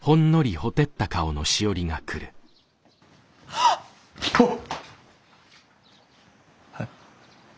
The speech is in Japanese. はっ！はっ！